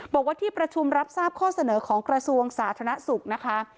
บอกว่าที่ประชุมรับทราบข้อเสนอของกระทรวงสาธารณสุขนะคะ